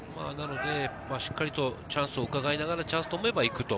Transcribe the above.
しっかりとチャンスをうかがいながらチャンスと思えば行く。